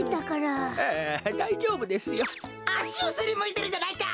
あしをすりむいてるじゃないか！